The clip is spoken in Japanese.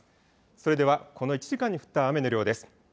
それではこの１時間に降った雨の量です。